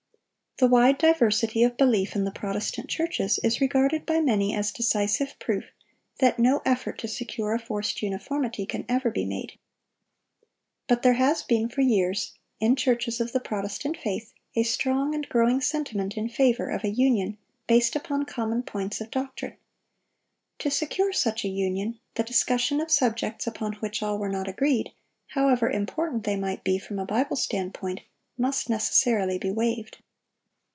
The wide diversity of belief in the Protestant churches is regarded by many as decisive proof that no effort to secure a forced uniformity can ever be made. But there has been for years, in churches of the Protestant faith, a strong and growing sentiment in favor of a union based upon common points of doctrine. To secure such a union, the discussion of subjects upon which all were not agreed—however important they might be from a Bible standpoint—must necessarily be waived.